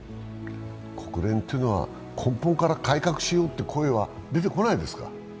国連っていうのは根本から改革しようって声は出てこないですか？